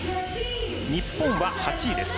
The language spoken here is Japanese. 日本は８位です。